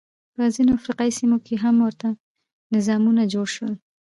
په ځینو افریقايي سیمو کې هم ورته نظامونه جوړ شول.